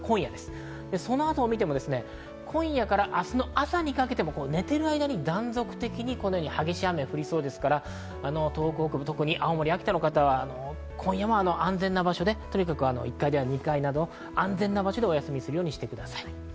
その後を見ても、今夜から明日の朝にかけても寝ている間に断続的に激しい雨が降りそうですから、東北北部、特に青森、秋田の方は今夜は安全な場所で２階など安全な場所でおやすみになるようにしてください。